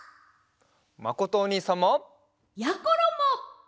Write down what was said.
まことおにいさんも！やころも！